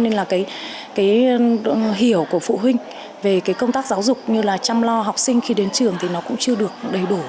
nên là cái hiểu của phụ huynh về công tác giáo dục như là chăm lo học sinh khi đến trường thì nó cũng chưa được đầy đủ